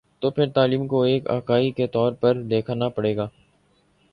تو پھر تعلیم کو ایک اکائی کے طور پر دیکھنا پڑے گا۔